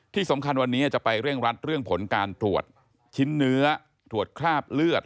ที่สำคัญวันนี้จะไปเร่งรัดเรื่องผลการตรวจชิ้นเนื้อตรวจคราบเลือด